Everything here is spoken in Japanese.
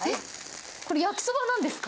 これ焼きそばなんですか？